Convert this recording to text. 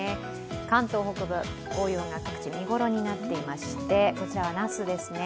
関東北部、紅葉が各地見頃になっていまして、こちらは那須ですね。